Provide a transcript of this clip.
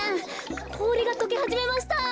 こおりがとけはじめました。